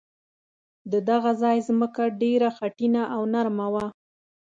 د دغه ځای ځمکه ډېره خټینه او نرمه وه.